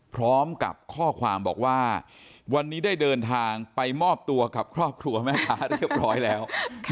พร้อมกับข้อความบอกว่าวันนี้ได้เดินทางไปมอบตัวกับครอบครัวแม่ค้าเรียบร้อยแล้ว